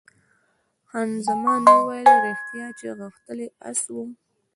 خان زمان وویل، ریښتیا چې غښتلی اس وو.